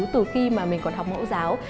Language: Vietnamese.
từ khi mà mình còn học mẫu giáo